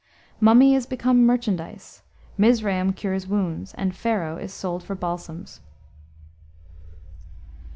"Mummy is become merchandise; Mizraim cures wounds, and Pharaoh is sold for balsams."